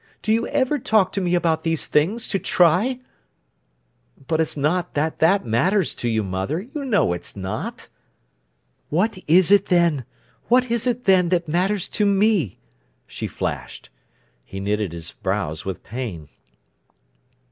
Do you ever talk to me about these things, to try?" "But it's not that that matters to you, mother, you know it's not." "What is it, then—what is it, then, that matters to me?" she flashed. He knitted his brows with pain.